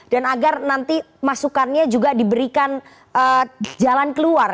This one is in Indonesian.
dan agar nanti masukannya juga diberikan jalan keluar